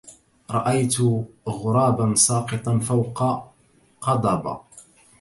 رأيت غرابا ساقطا فوق قضبة